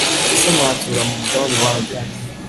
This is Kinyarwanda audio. ese natura mu mugabane wa nde?